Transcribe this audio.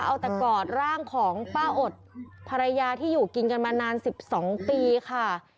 เอาแต่กอดร่างของป้าอดภรรยาที่อยู่กินกันมานาน๑๒ปีค่ะ